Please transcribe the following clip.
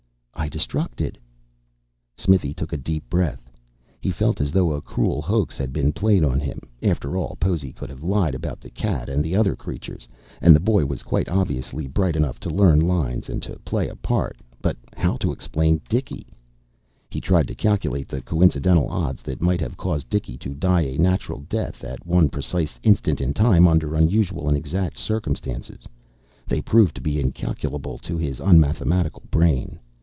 "I destructed." Smithy took a deep breath. He felt as though a cruel hoax had been played on him. After all, Possy could have lied about the cat and the other creatures. And the boy was quite obviously bright enough to learn lines and play a part. But how explain Dicky? He tried to calculate the coincidental odds that might have caused Dicky to die a natural death at one precise instant in time under unusual and exact circumstances. They proved to be incalculable to his unmathematical brain.